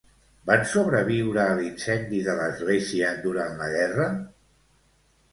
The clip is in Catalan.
Van sobreviure a l'incendi de l'església durant la guerra?